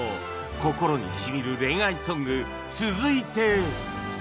『心にしみる恋愛ソング』続いて